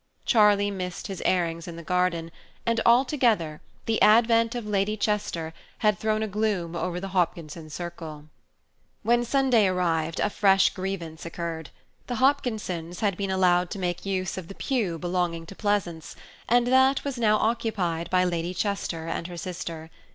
Charlie missed his airings in the garden, and altogether the advent of Lady Chester had thrown a gloom over the Hopkinson circle. When Sunday arrived, a fresh grievance occurred. The Hopkinsons had been allowed to make use of the pew belonging to Pleasance, and that was now occupied by Lady Chester and her sister.